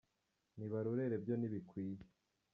Nibarorere byo ntibikwiye